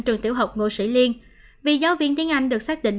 trường tiểu học ngô sĩ liên vì giáo viên tiếng anh được xác định